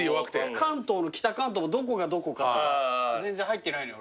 関東の北関東もどこがどこか全然入ってないのよ。